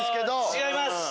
違います。